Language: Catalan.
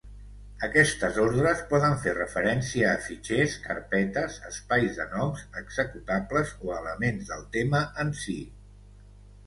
Aquestes ordres poden fer referència a fitxers, carpetes, espais de noms, executables o a elements del tema en si.